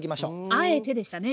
あえてでしたね